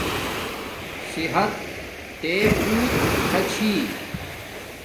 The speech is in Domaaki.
صحت تے بوت شا چھی